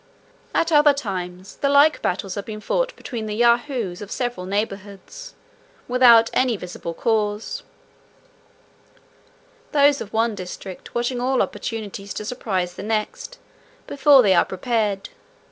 At other times, the like battles have been fought between the Yahoos of several neighbourhoods, without any visible cause; those of one district watching all opportunities to surprise the next, before they are prepared.